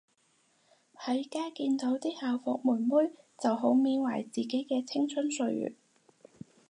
喺街見到啲校服妹妹就好懷緬自己嘅青春歲月